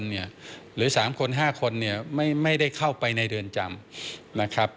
หรือ๓๕คนไม่ได้เข้าไปในเรือนจำ